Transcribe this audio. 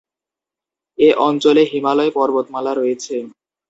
এ অঞ্চলে হিমালয় পর্বতমালা রয়েছে।